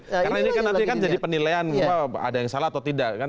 karena ini kan nanti jadi penilaian ada yang salah atau tidak